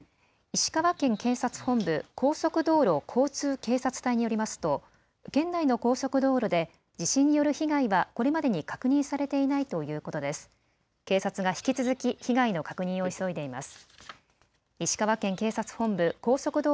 石川県警察本部高速道路交通警察隊によりますと県内の高速道路で地震による被害はこれまでに確認されていないということです。